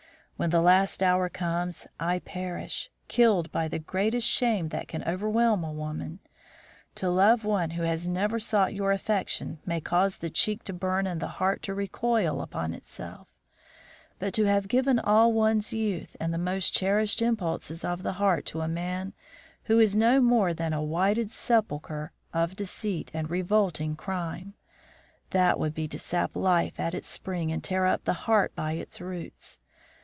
When that hour comes, I perish, killed by the greatest shame that can overwhelm a woman. To love one who has never sought your affection may cause the cheek to burn and the heart to recoil upon itself; but to have given all one's youth and the most cherished impulses of the heart to a man who is no more than a whited sepulchre of deceit and revolting crime that would be to sap life at its spring and tear up the heart by its roots.